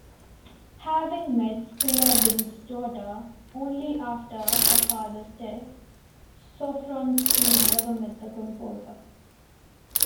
Having met Scriabin's daughter only after her father's death, Sofronitsky never met the composer.